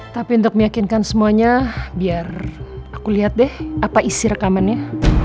tapi untuk meyakinkan semuanya biar aku lihat deh apa isi rekamannya